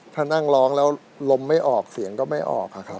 ถ้านั่งร้องแล้วลมไม่ออกเสียงก็ไม่ออกครับ